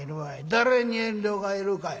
誰に遠慮がいるかい。